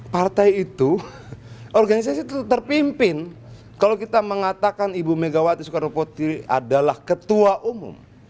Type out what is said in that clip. partai itu organisasi terpimpin kalau kita mengatakan ibu megawati soekarno putri adalah ketua umum